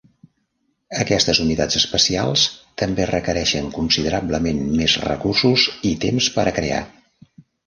Aquestes unitats especials també requereixen considerablement més recursos i temps per a crear.